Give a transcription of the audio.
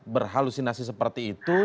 berhalusinasi seperti itu